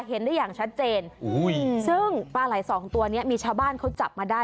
เห็นได้อย่างชัดเจนซึ่งปลาไหล่สองตัวเนี้ยมีชาวบ้านเขาจับมาได้